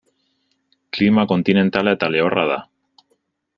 Klima kontinentala eta lehorra da.